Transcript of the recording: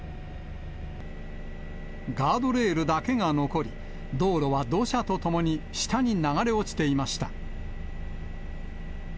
ガードレールだけが残り、道路は土砂とともに下に流れ落ちていました。